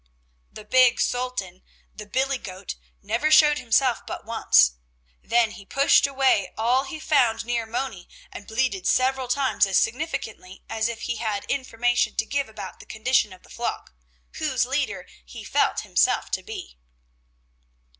The big Sultan, the billy goat, never showed himself but once, then he pushed away all he found near Moni, and bleated several times as significantly as if he had information to give about the condition of the flock, whose leader he felt himself to be.